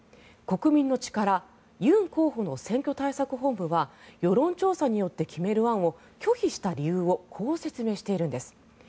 国民の力、ユン候補の選挙対策本部は世論調査によって決める案を拒否した理由をこう説明しているんです。